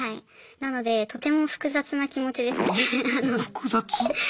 なのでとても複雑な気持ちですね。